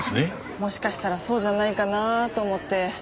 もしかしたらそうじゃないかなあと思って。